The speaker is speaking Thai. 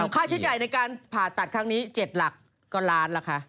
ค่าใช้จ่ายในการผ่าตัดครั้งนี้๗หลักก็ล้านล่ะค่ะ